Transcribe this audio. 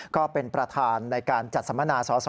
ก็เป็นประธานในการจัดสัมมนาสอสอ